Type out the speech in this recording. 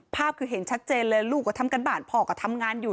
ภาพคือเห็นชัดเจนเลยลูกก็ทำการบ้านพ่อก็ทำงานอยู่